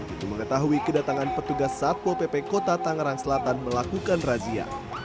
untuk mengetahui kedatangan petugas satpo pp kota tangerang selatan melakukan razia